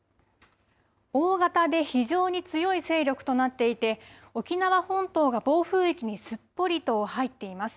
大型で非常に強い勢力となっていて、沖縄本島が暴風域にすっぽりと入っています。